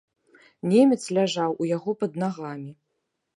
Немец ляжаў у яго пад нагамі.